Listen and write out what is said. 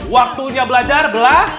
waktunya belajar belah